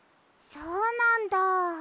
そうなんだ。